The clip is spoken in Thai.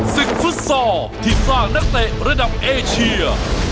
สิ่งฟุดสอดที่สร้างตั้งแต่ระดับเอเชีย